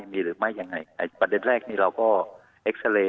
มีหรือไม่ยังไงประเด็นแรกนี่เราก็เอ็กซาเรย์